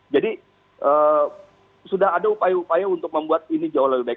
jadi sudah ada upaya upaya untuk membuat ini jauh lebih baik